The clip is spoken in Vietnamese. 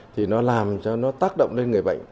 thì nó làm cho nó tác động lên người bệnh